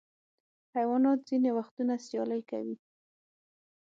حیوانات ځینې وختونه سیالۍ کوي.